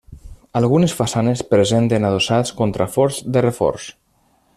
Algunes façanes presenten adossats contraforts de reforç.